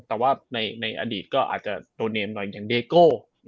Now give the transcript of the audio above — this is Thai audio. แต่ว่าในอดีตก็อาจจะโดเนมหน่อยอย่างเดโก้